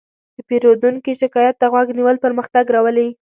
د پیرودونکي شکایت ته غوږ نیول پرمختګ راولي.